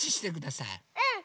うん！